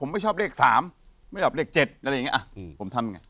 ไม่ชอบเลข๗อะไรอย่างนี้ผมทำไง